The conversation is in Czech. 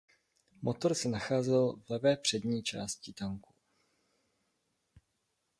Motor se nacházel v levé přední části tanku.